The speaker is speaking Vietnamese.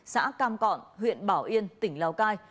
một hai xã cam cọn huyện bảo yên tỉnh lào cai